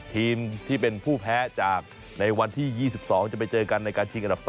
ทีมที่เป็นผู้แพ้จากในวันที่๒๒จะไปเจอกันในการชิงอันดับ๓